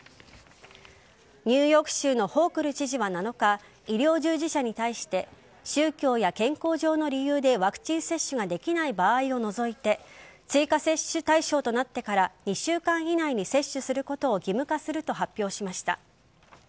ニューヨーク州のホークル知事は７日医療従事者に対して宗教や健康上の理由でワクチン接種ができない場合を除いて追加接種対象となってから１週間以内に接種することを義務化すると発表しました。